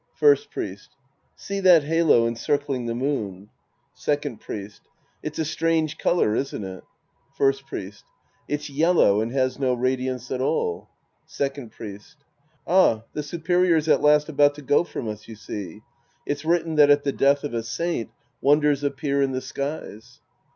First Priest. See that halo encircling the moon. Second Priest. It's a strange color, isn't it ? First Priest. It's yellow and has no radiance at all. Second PHest. Ah, the superior is at last about to go from us, you see. It's written that at the death of a saint, wonders appear in the sides.